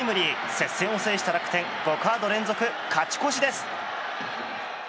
接戦を制した楽天５カード連続勝ち越しです。